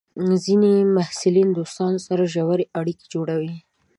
ځینې محصلین د دوستانو سره ژورې اړیکې جوړوي.